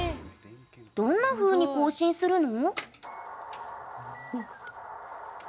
どんなふうに交信するの？